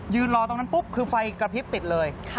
รอตรงนั้นปุ๊บคือไฟกระพริบติดเลย